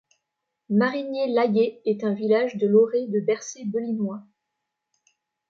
Marigné-Laillé est un village de l'Orée de Bercé-Belinois.